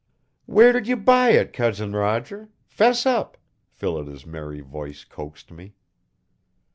"Where did you buy it, Cousin Roger? 'Fess up!" Phillida's merry voice coaxed me.